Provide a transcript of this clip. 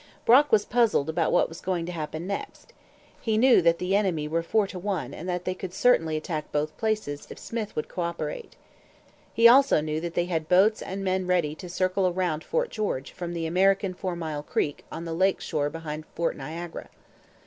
Brock was puzzled about what was going to happen next. He knew that the enemy were four to one and that they could certainly attack both places if Smyth would co operate. He also knew that they had boats and men ready to circle round Fort George from the American 'Four Mile Creek' on the lake shore behind Fort Niagara.